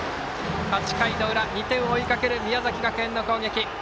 ８回の裏、２点を追いかける宮崎学園の攻撃。